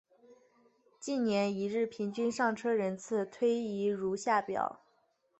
近年一日平均上车人次推移如下表。